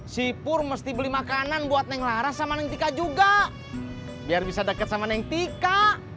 sipur mesti beli makanan buat neng lara sama neng tika juga biar bisa dekat sama neng tika